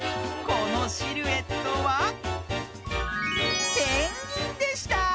このシルエットはペンギンでした。